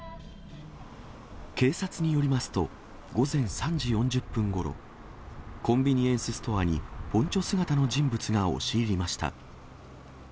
警察によりますと、午前３時４０分ごろ、コンビニエンスストアに、ポンチョ姿の人物が押し入りました。